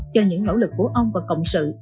cho những nỗ lực của ông và cộng sự